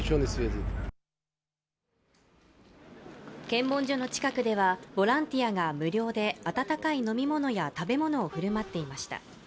検問所の近くではボランティアが無料で温かい飲み物や食べ物を振る舞っていました。